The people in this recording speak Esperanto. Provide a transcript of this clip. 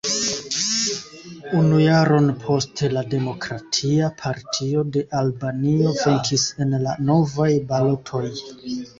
Unu jaron poste la Demokratia Partio de Albanio venkis en la novaj balotoj.